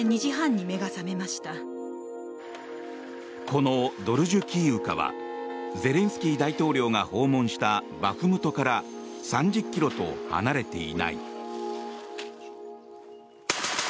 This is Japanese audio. このドルジュキーウカはゼレンスキー大統領が訪問したバフムトから３０ｋｍと離れていない。